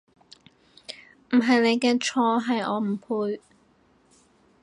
唔係你嘅錯，係我不配